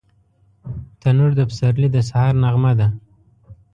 تنور د پسرلي د سهار نغمه ده